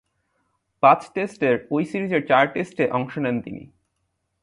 পাঁচ টেস্টের ঐ সিরিজের চার টেস্টে অংশ নেন তিনি।